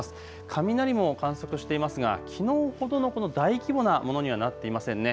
雷も観測していますがきのうほどの大規模なものにはなっていませんね。